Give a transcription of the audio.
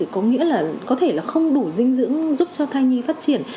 có nghĩa là không đủ dinh dưỡng giúp cho thai nhi phát triển